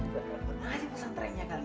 bener bener aja pesantrennya kali